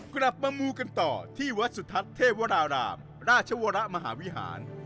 กลับมามูกันต่อที่วัดสุทัศน์เทพวรารามราชวรมหาวิหาร